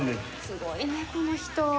すごいねこの人。